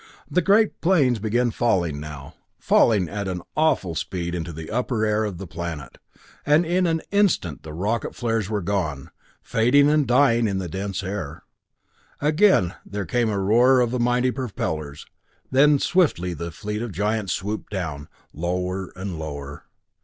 The great planes began falling now falling at an awful speed into the upper air of the planet, and in an instant the rocket flares were gone, fading and dying in the dense air. Again there came the roar of the mighty propellers. Then swiftly the fleet of giants swooped down, lower and lower.